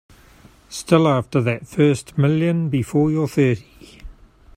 Still after that first million before you're thirty.